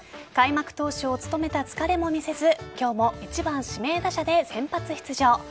開幕投手を務めた疲れも見せず今日も１番・指名打者で先発出場。